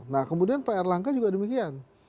nah kemudian pak erlangga juga demikian